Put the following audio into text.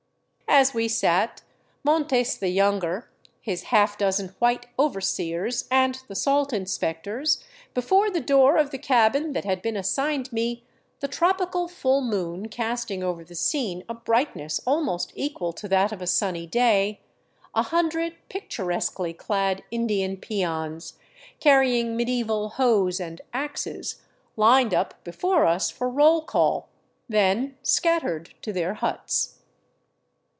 As we sat, — Montes the younger, his half dozen white overseers, and the salt inspectors — before the door of the cabin that had been assigned me, the tropical full moon casting over the scene a brightness almost equal to that of a sunny day, a hundred picturesquely clad Indian peons, carrying medieval hoes and axes, lined up before us for roll call, then scattered to their huts.